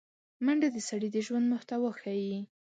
منډه د سړي د ژوند محتوا ښيي